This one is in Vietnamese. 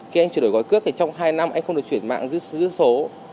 khi anh chuyển đổi gói cước thì trong hai năm anh không được chuyển mạng giữ số